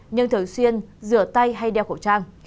nhưng thường xuyên rửa tay hay đeo khẩu trang